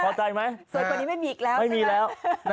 เข้าใจไหมไม่มีแล้วนะครับค่ะไม่มีแล้ว